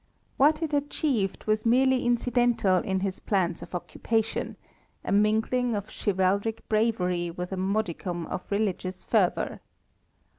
What it achieved was merely incidental in his plans of occupation—a mingling of chivalric bravery with a modicum of religious fervor.